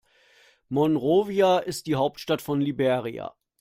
Monrovia ist die Hauptstadt von Liberia.